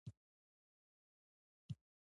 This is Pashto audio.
- د دوستانو او کورنۍ ګروپونه